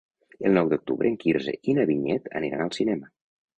El nou d'octubre en Quirze i na Vinyet aniran al cinema.